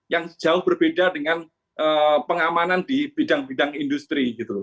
yang jauh berbeda dengan pengamanan di bidang bidang industri